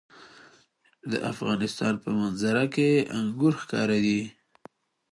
د افغانستان په منظره کې انګور ښکاره ده.